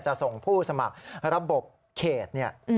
ส่งผู้สมัครระบบเขตเนี่ย